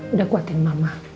udah kuatin mama